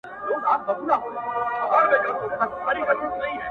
• یا ښکاري یا د زمري خولې ته سوغات سم ,